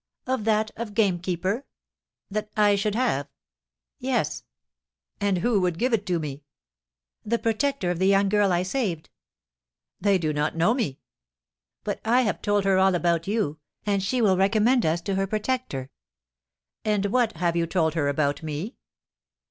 "Of that of gamekeeper." "That I should have?" "Yes." "And who would give it to me?" "The protector of the young girl I saved." "They do not know me." "But I have told her all about you, and she will recommend us to her protector." "And what have you told her about me?"